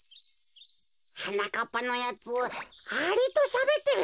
はなかっぱのやつアリとしゃべってるってか。